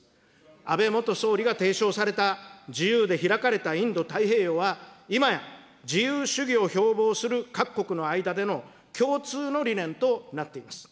安倍元総理が提唱された、自由で開かれたインド太平洋は、いまや、自由主義を標ぼうする各国の間での共通の理念となっています。